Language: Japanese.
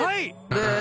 ブー。